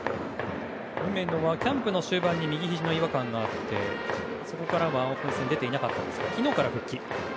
梅野はキャンプでは違和感がありそこからはオープン戦に出ていなかったんですが昨日から復帰。